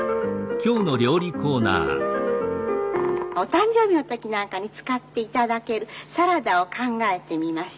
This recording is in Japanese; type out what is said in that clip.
お誕生日の時なんかに使って頂けるサラダを考えてみました。